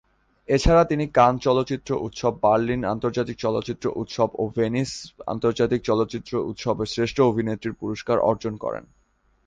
এছাড়া তিনি কান চলচ্চিত্র উৎসব, বার্লিন আন্তর্জাতিক চলচ্চিত্র উৎসব, ও ভেনিস আন্তর্জাতিক চলচ্চিত্র উৎসব-এ শ্রেষ্ঠ অভিনেত্রীর পুরস্কার অর্জন করেন।